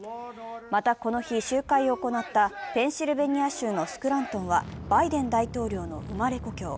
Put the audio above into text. またこの日、集会を行ったペンシルベニア州のスクラントンはバイデン大統領の生まれ故郷。